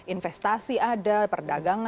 investasi ada perdagangan ada